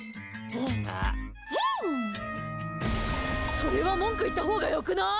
それは文句言ったほうが良くない？